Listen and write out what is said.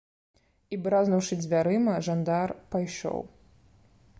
І, бразнуўшы дзвярыма, жандар пайшоў.